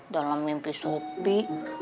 dalam mimpi sopi